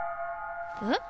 えっ？